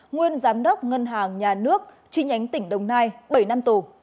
nguyên giám đốc ngân hàng nhà nước chi nhánh tỉnh đồng nai bảy năm tù